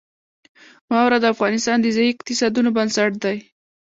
واوره د افغانستان د ځایي اقتصادونو بنسټ دی.